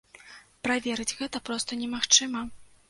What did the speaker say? Праверыць гэта проста немагчыма.